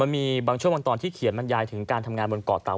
มีบางช่วงตอนที่เขียนบรรยายที่การทำงานบนกรตั๋า